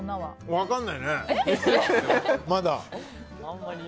分かんないね、まだ。